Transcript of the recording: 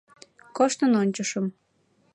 — Коштын ончышым...